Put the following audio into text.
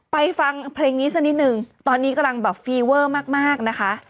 ฟังเพลงนี้สักนิดนึงตอนนี้กำลังแบบฟีเวอร์มากนะคะ